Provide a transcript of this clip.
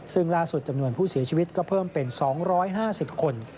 ซึ่งล่าสุดจำนวนผู้เสียชีวิตก็เพิ่มเป็น๒๕๐คน